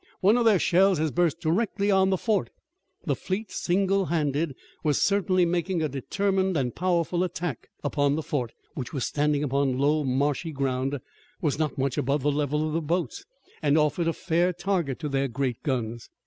One of their shells has burst directly on the fort!" The fleet, single handed, was certainly making a determined and powerful attack upon the fort, which standing upon low, marshy ground, was not much above the level of the boats, and offered a fair target to their great guns.